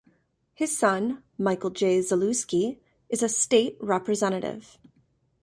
His son, Michael J. Zalewski, is a state representative.